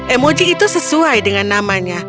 emoji itu sesuai dengan namanya